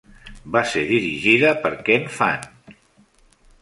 Va ser dirigida per Kenne Fant.